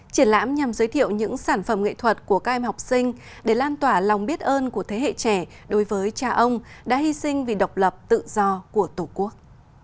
triển lãm nhằm giới thiệu những sản phẩm nghệ thuật của các em học sinh để lan tỏa lòng biết ơn của thế hệ trẻ đối với cha ông đã hy sinh vì độc lập tự do của tổ quốc